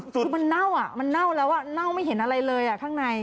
คือมันเน่าอ่ะมันเน่าแล้วเน่าไม่เห็นอะไรเลยข้างใน